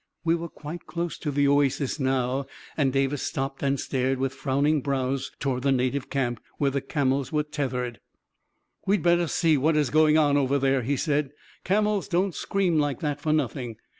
We were quite close to the oasis now, and Davis stopped and stared with frowning brows, to ward the native camp, where the camels were teth ered. " We'd better see what is going on over there," he said. " Camels don't scream like that for noth ing.